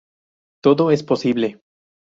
Todo es posible".